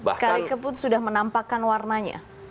sekarang keputus sudah menampakkan warnanya